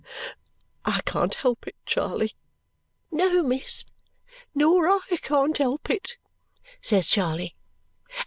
"I can't help it, Charley." "No, miss, nor I can't help it," says Charley.